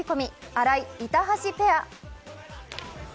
荒井・板橋ペア。